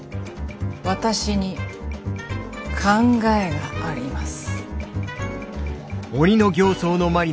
私に考えがあります。